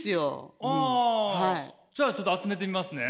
じゃあちょっと集めてみますね。